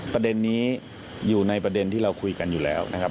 ประเด็นนี้อยู่ในประเด็นที่เราคุยกันอยู่แล้วนะครับ